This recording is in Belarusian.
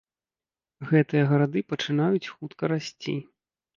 Гэтыя гарады пачынаюць хутка расці.